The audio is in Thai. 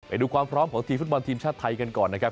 ไปดูความพร้อมของทีมฟุตบอลทีมชาติไทยกันก่อนนะครับ